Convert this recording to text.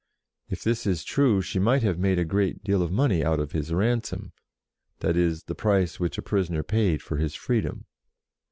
If this is true, she might have made a great deal of money out of his ransom, that is, the price which a prisoner paid for his freedom.